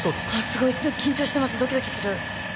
すごい緊張してますドキドキする。